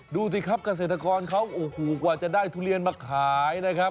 ดูสิครับเกษตรกรเขาโอ้โหกว่าจะได้ทุเรียนมาขายนะครับ